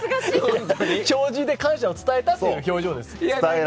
弔辞で感謝を伝えたっていう表情です。